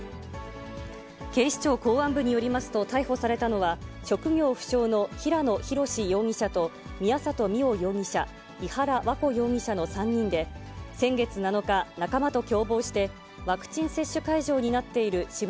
警視庁公安部によりますと、逮捕されたのは、職業不詳の平野博容疑者と宮里未央容疑者、伊原和子容疑者の３人で、先月７日、仲間と共謀して、ワクチン接種会場になっている渋